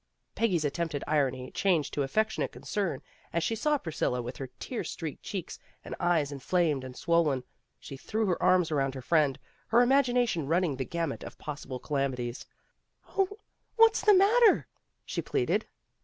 Peggy's attempted irony changed to affectionate concern, as she saw Priscilla with her tear streaked cheeks and eyes inflamed and swollen. She threw her arms around her friend, her imagination running the gamut of DELIVERANCE 235 possible calamities. "Oh, what is the matter!" she pleaded.